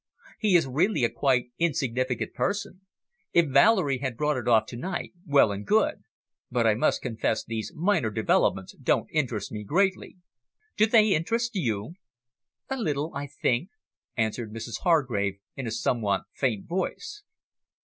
He is really a quite insignificant person. If Valerie had brought it off to night, well and good but I must confess these minor developments don't interest me greatly. Do they interest you?" "A little, I think," answered Mrs Hargrave, in a somewhat faint voice.